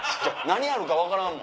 何あるか分からんもん！